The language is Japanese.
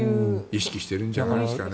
意識してるんじゃないですかね。